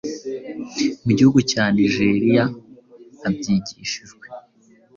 mu gihugu cya Nigeria abyigishijwe